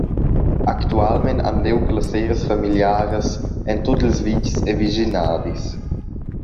Actualmein han liug las seras familiaras en tut ils vitgs e vischinadis.